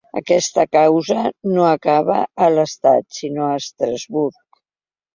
Aquesta causa no acaba a l’estat, sinó a Estrasburg